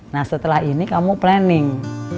nah setelah ini kamu planning